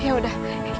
ya udah kita pergi